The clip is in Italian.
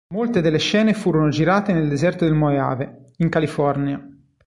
Molte delle scene furono girate nel deserto del Mojave, in California.